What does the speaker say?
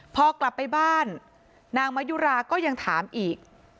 พอกลับไปบ้านนางมะยุราก็ยังถามอีก